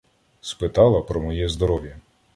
Спитала про моє здоров'я.